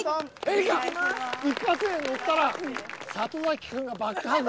一発で乗ったら里崎君がバックハグ。